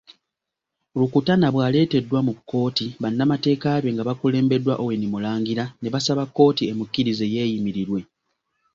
Rukutana bwaleteddwa mu kkooti, bannamateeka be nga bakulembeddwa Owen Mulangira ne basaba kkooti emukkirize yeeyimirirwe.